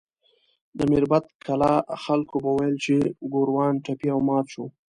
د میربت کلا خلکو به ویل چې ګوروان ټپي او مات شو.